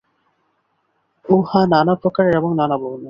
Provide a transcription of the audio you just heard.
উহা নানা আকারের এবং নানা বর্ণের।